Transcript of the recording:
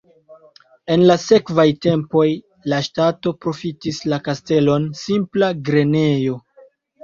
En la sekvaj tempoj la ŝtato profitis la kastelon simpla grenejo.